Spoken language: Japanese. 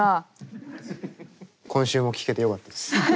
今週も聞けてよかったです。